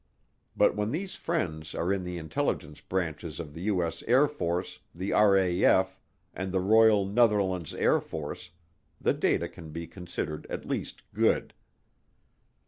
But when these friends are in the intelligence branches of the U.S. Air Force, the RAF, and the Royal Netherlands Air Force, the data can be considered at least good.